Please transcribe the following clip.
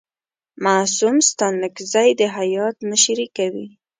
معصوم ستانکزی د هیات مشري کوي.